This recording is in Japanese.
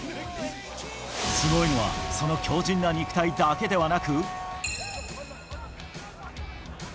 すごいのはその強じんな肉体だけではなく。